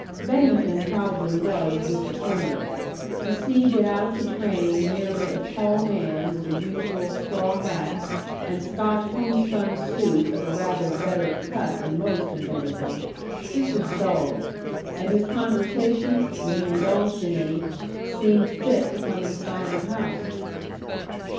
Bennington probably was disappointed. To see get out of the train merely a tall man with a usual straw hat, and Scotch homespun suit of a rather better cut than most in Bennington this was dull. And his conversation when he indulged in any seemed fit to come inside the house.